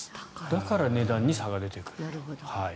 だから値段に差が出てくると。